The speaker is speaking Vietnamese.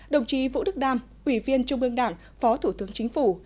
đồng chí vũ đức đam ủy viên trung ương đảng phó thủ tướng chính phủ